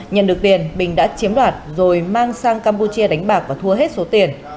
nhận được tiền bình đã chiếm đoạt rồi mang sang campuchia đánh bạc và thua hết số tiền